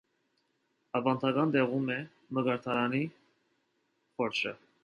Ավանդական տեղում է մկրտարանի խորշը։